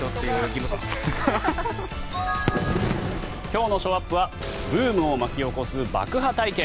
今日のショーアップはブームを巻き起こす爆破体験。